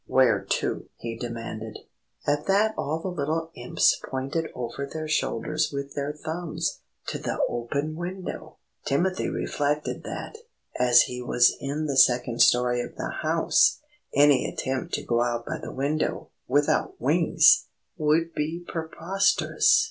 "Where to?" he demanded. At that all the little Imps pointed over their shoulders with their thumbs, to the open window. Timothy reflected that, as he was in the second story of the house, any attempt to go out by the window, without wings, would be preposterous.